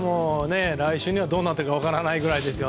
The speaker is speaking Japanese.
来週にはどうなっているか分からないぐらいですよ。